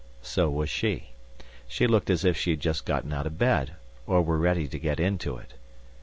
So was she. She looked as if she had just gotten out of bed, or were ready to get into it.